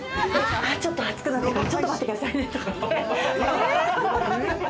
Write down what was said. ちょっと熱くなったから、ちょっと待ってくださいねって。